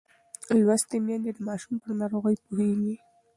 لوستې میندې د ماشوم پر ناروغۍ پوهېږي.